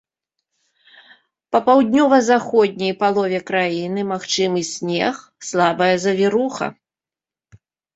Па паўднёва-заходняй палове краіны магчымы снег, слабая завіруха.